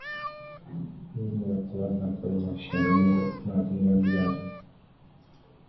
او مرتبا حرفهای ناشیانه میزد و مردم را میرنجاند.